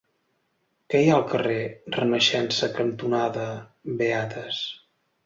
Què hi ha al carrer Renaixença cantonada Beates?